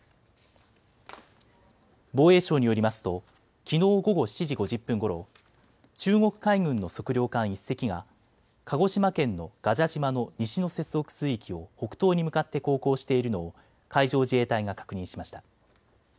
防衛省によりますときのう午後７時５０分ごろ中国海軍の測量艦１隻が鹿児島県の臥蛇島の接続水域を北東に向かって航行しているのを海上自衛隊が確認しました。